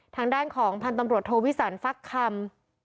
ทางด้านของพันธ์ตำรวจโทวิสันฟักคำ